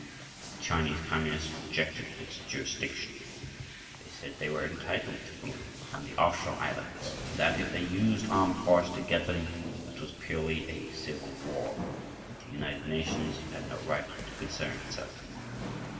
But the Chinese Communists rejected its jurisdiction. They said that they were entitled to Formosa and the offshore islands and that, if they used armed force to get them, that was purely a "civil war" and that the United Nations had no right to concern itself.